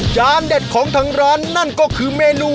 เด็ดของทางร้านนั่นก็คือเมนู